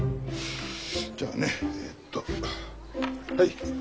じゃあねえっとはい。